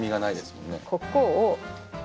ここを。